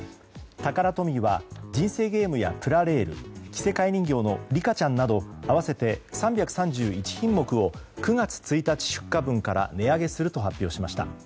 タカラトミーは人生ゲームやプラレール着せ替え人形のリカちゃんなど合わせて３３１品目を９月１日出荷分から値上げすると発表しました。